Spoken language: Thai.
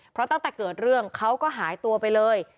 เพราะตั้งแต่เกิดเรื่องเขาก็หายตัวไปเลย